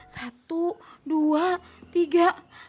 satu dua tiga